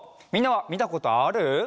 みんなはみたことある？